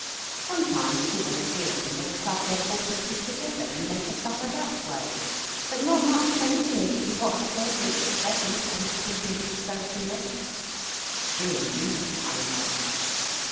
Sometimes two or three of 'em will club their fourpences together, and make a supper that way. But not much of anything is to be got for fourpence, at present, when provisions is so dear." "True indeed," I remarked.